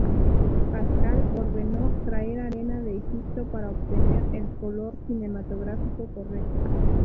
Pascal ordenó traer arena de Egipto para obtener el color cinematográfico correcto.